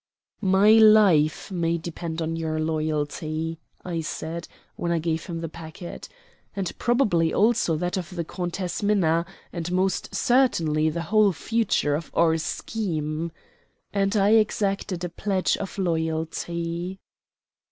"My life may depend on your loyalty," I said when I gave him the packet, "and probably also that of the Countess Minna, and most certainly the whole future of our scheme," and I exacted a pledge of loyalty.